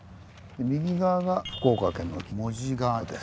右側が福岡県の門司側です。